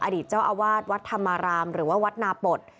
อดีตเจ้าอาวาสวัดธรรมารามหรือว่าวัดนาปฏ